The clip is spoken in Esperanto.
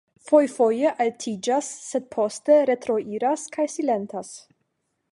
fojfoje altiĝas, sed poste retroiras kaj silentas.